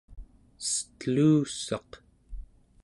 stelussaq